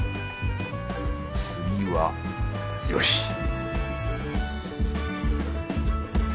次はよし！